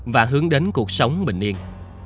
và hướng đến cuộc sống bình yên